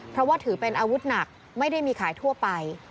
เพราะว่าถือเป็นอาวุธหนักไม่ได้มีขายทั่วไป